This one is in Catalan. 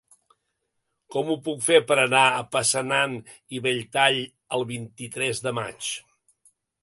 Com ho puc fer per anar a Passanant i Belltall el vint-i-tres de maig?